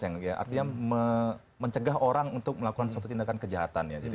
artinya mencegah orang untuk melakukan suatu tindakan kejahatan ya